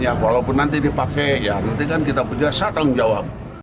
ya walaupun nanti dipakai ya nanti kan kita punya syarat tanggung jawab